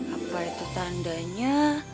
apa itu tandanya